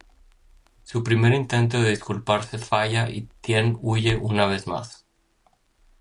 Su primer intento de disculparse falla y Tien huye una vez más.